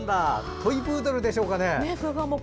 トイ・プードルでしょうかね。